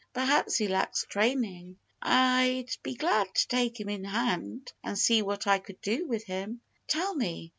Perhaps he lacks training. I'd be glad to take him in hand and see what I could do with him. Tell me!